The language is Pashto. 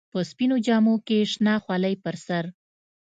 په سپينو جامو کښې شنه خولۍ پر سر.